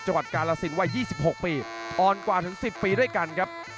กาลสินวัย๒๖ปีอ่อนกว่าถึง๑๐ปีด้วยกันครับ